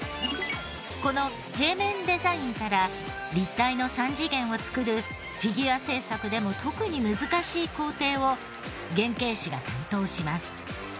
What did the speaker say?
この平面デザインから立体の３次元を作るフィギュア制作でも特に難しい工程を原型師が担当します。